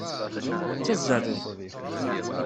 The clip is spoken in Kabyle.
Tettazzaleḍ.